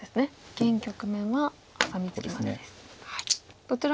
現局面はハサミツケまでです。